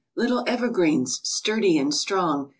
little evergreens, Sturdy and strong!